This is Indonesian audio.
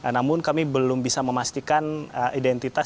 namun kami belum bisa memastikan identitas